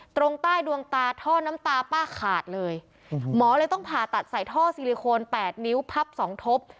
ตรงใต้ดวงตาท่อน้ำตาป้าขาดเลยหมอเลยต้องผ่าตัดใส่ท่อซิลิโคนแปดนิ้วพับสองทบ